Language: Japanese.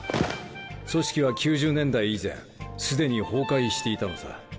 組織は９０年代以前既に崩壊していたのさ。